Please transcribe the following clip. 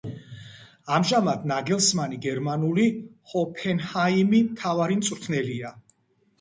ამჟამად ნაგელსმანი გერმანული „ჰოფენჰაიმი“ მთავარი მწვრთნელია.